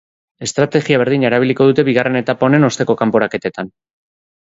Estrategia berdina erabiliko dute bigarren etapa honen osteko kanporaketetan?